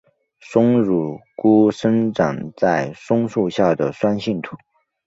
松乳菇生长在松树下的酸性土。